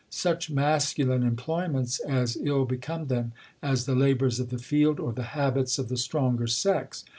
Such mascu line employments as ill become them, as the labours of the field, or the habits of the stronger sex.